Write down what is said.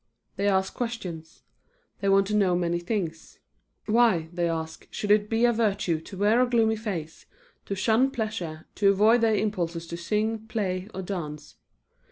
They ask questions. They want to know many things. Why, they ask, should it be a virtue to wear a gloomy face, to shun pleasure, to avoid their impulses to sing, play or dance?